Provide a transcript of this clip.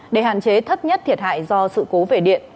để hạn chế thấp nhất thiệt hại do sự cố về điện